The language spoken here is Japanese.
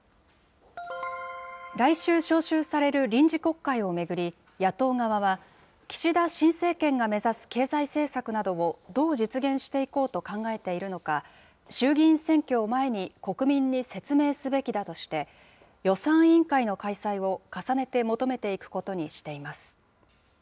来週召集される臨時国会を巡り、野党側は、岸田新政権が目指す経済政策などをどう実現していこうと考えているのか、衆議院選挙を前に国民に説明すべきだとして、予算委員会の開催を重ねて求めていくことにしています。